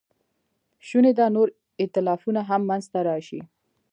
شونې ده نور ایتلافونه هم منځ ته راشي.